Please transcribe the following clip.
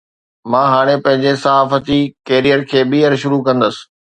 مان هاڻي پنهنجي صحافتي ڪيريئر کي ٻيهر شروع ڪندس